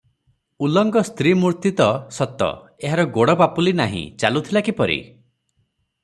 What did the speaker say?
ଉଲଙ୍ଗ ସ୍ତ୍ରୀ ମୂର୍ତ୍ତି ତ, ସତ, ଏହାର ଗୋଡ଼ ପାପୁଲି ନାହିଁ, ଚାଲୁଥିଲା କିପରି?